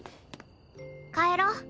帰ろ。